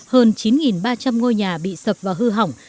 hơn chín ba trăm linh ngôi nhà bị sập và hư hỏng